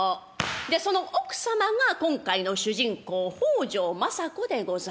でその奥様が今回の主人公北条政子でございます。